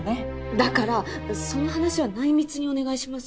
だからその話は内密にお願いします。